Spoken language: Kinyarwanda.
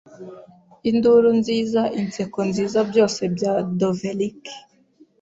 Induru nziza inseko nziza Byose bya dovelike